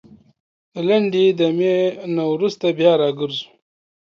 دا لنډې دمي نه وروسته بيا راګرځوو